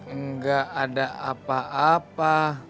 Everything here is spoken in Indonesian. enggak ada apa apa